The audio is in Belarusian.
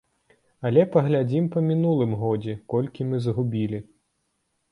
Але паглядзіце па мінулым годзе, колькі мы згубілі.